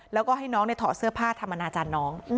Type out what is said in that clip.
แล้วก็ให้น้องถอดเสื้อผ้าธรรมนาจารย์น้อง